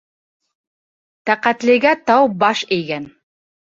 Тәҡәтлегә тау баш эйгән.